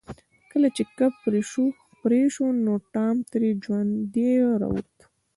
کله چې کب پرې شو نو ټام ترې ژوندی راووت.